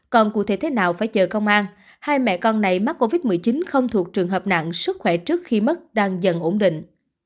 còn cụ thể thế nào phải chờ công an hai mẹ con này mắc covid một mươi chín không thuộc trường hợp nặng sức khỏe trước khi mất đang dần ổn định